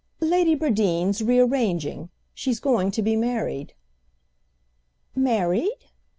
"Lady Bradeen's re arranging—she's going to be married." "Married?"